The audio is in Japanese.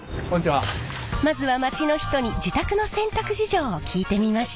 まずは街の人に自宅の洗濯事情を聞いてみました。